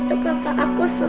itu kakak aku buster